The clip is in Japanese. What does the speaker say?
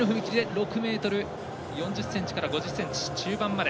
６ｍ４０ｃｍから５０ｃｍ中盤まで。